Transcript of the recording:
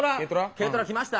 軽トラ来ました。